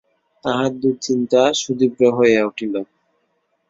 তাহার দুশ্চিন্তা সুতীব্র হইয়া উঠিল।